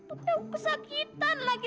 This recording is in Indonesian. aduh kesakitan lagi